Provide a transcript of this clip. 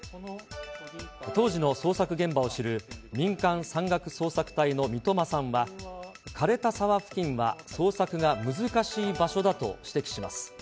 当時の捜索現場を知る民間山岳捜索隊の三笘さんは、かれた沢付近は捜索が難しい場所だと指摘します。